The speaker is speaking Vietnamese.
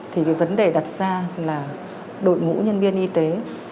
thì cái vấn đề đặt ra là đội ngũ nhân viên y tế